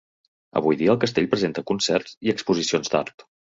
Avui dia el castell presenta concerts i exposicions d'art.